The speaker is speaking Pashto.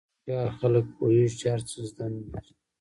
هوښیار خلک پوهېږي چې هر څه زده نه لري.